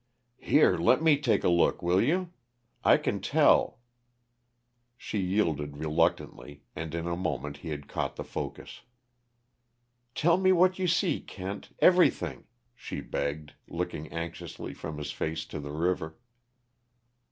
"Here, let me take a look, will you? I can tell " She yielded reluctantly, and in a moment he had caught the focus. "Tell me what you see, Kent everything," she begged, looking anxiously from his face to the river.